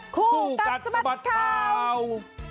คู่กันสบัติข่าวคู่กันสบัติข่าว